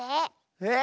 えっ⁉